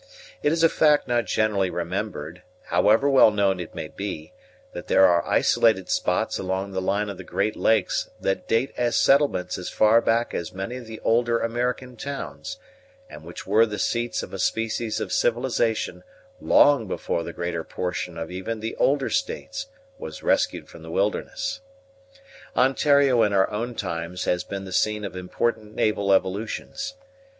It is a fact not generally remembered, however well known it may be, that there are isolated spots along the line of the great lakes that date as settlements as far back as many of the older American towns, and which were the seats of a species of civilization long before the greater portion of even the older States was rescued from the wilderness. Ontario in our own times has been the scene of important naval evolutions.